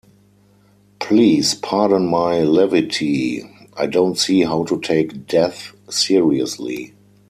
Please pardon my levity, I don't see how to take death seriously.